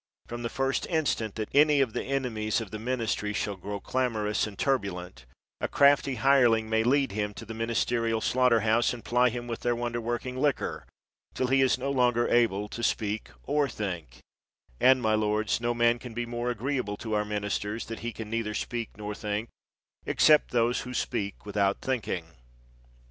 From the first instant that any of the enemies of the ministry shall grow clamorous and turbulent, a crafty hireling may lead him to the ministerial slaugh terhouse and ply him with their wonder working liquor till he is no longer able to speak or think, and, my lords, no man can be more agreeable to our ministers that he can neither speak nor think, except those who speak without thinking.